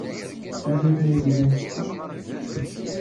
Yella kra aydeg nessexṣer?